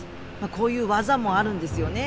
こういう技もあるんですよね